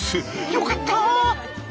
よかった！